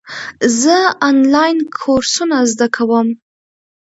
زه آنلاین کورسونه زده کوم.